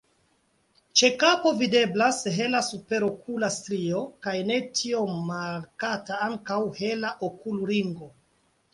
Ĉe kapo videblas hela superokula strio kaj ne tiom markata ankaŭ hela okulringo.